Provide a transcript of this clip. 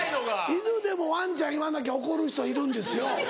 犬でも「ワンちゃん」言わなきゃ怒る人いるんですよ。